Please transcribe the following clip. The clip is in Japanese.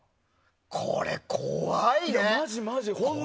これ怖いね。